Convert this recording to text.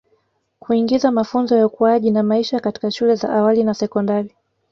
Kuingiza mafunzo ya ukuaji na maisha katika shule za awali na sekondari